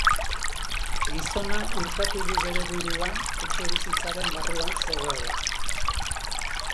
Gizona urkatu du bere burua etxebizitzaren barruan zegoela.